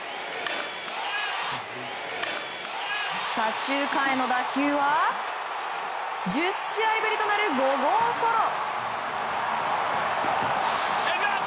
左中間への打球は１０試合ぶりとなる５号ソロ。